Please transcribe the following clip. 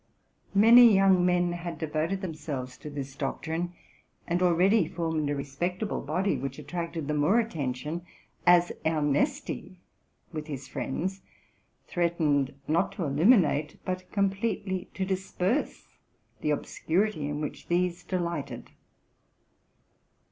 Many young men had devoted themselves to this doctrine, and already formed a respectable body, which attracted the more attention, as Ernesti with his friends threatened, not to illuminate, but compietely to disperse, the obseurity in which these delighted.